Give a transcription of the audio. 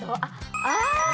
ああ！